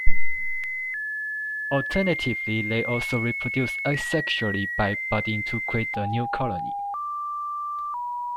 Alternatively, they also reproduce asexually by budding to create a new colony.